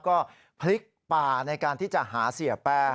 ก็พลิกป่าในการที่จะหาเสียแป้ง